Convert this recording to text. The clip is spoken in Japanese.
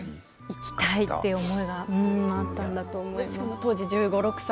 行きたいという思いがあったんだと思います。